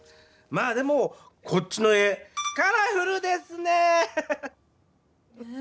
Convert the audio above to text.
まあでもこっちの家カラフルですねぇヘヘヘ！